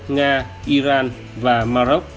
nga iran và maroc